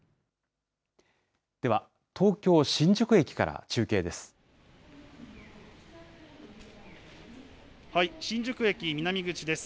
では東京・新宿駅から中継です。